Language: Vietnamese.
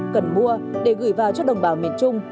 cần mua để gửi vào cho đồng bào miền trung